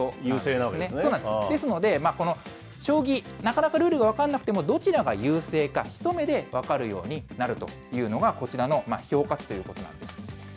ですので、この将棋、なかなかルールが分かんなくても、どちらが優勢か、一目で分かるようになるというのが、こちらの評価値ということなんです。